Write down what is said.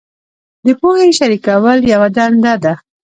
د پوهې شریکول یوه دنده ده.